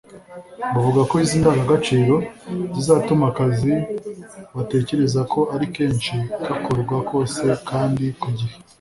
Bavuga ko izi ndangagaciro zizatuma akazi batekerezaga ko ari kenshi gakorwa kose kandi ku gihe